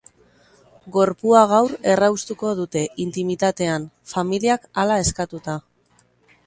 Gorpua gaur erraustuko dute, intimitatean, familiak hala eskatuta.